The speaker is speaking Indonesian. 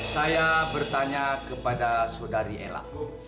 saya bertanya kepada saudari ella